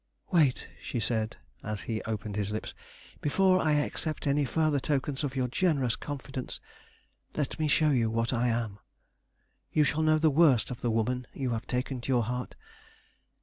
Wait!" said she, as he opened his lips. "Before I accept any further tokens of your generous confidence, let me show you what I am. You shall know the worst of the woman you have taken to your heart.